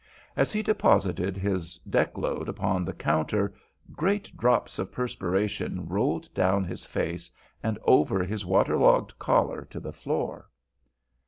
As he deposited his deck load upon the counter, great drops of perspiration rolled down his face and over his waterlogged collar to the floor.